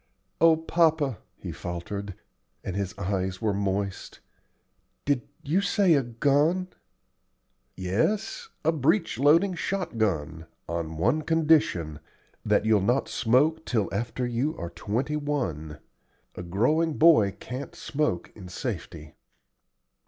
"O papa," he faltered, and his eyes were moist, "did you say a gun?" "Yes, a breech loading shot gun on one condition that you'll not smoke till after you are twenty one. A growing boy can't smoke in safety."